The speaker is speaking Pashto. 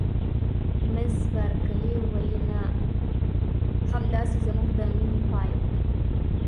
مس بارکلي: ولې نه؟ همدای زموږ د مینې پای و.